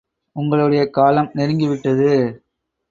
உங்களுடைய காலம் நெருங்கிவிட்டது.